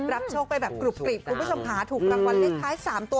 โชคไปแบบกรุบกรีบคุณผู้ชมค่ะถูกรางวัลเลขท้าย๓ตัว